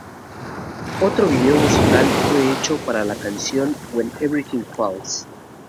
Otro video musical fue hecho para la canción "When Everything Falls".